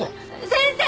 先生。